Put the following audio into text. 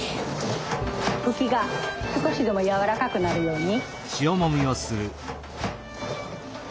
フキが少しでも軟らかくなるように。